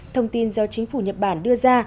thông tin do chính phủ nhật bản đưa ra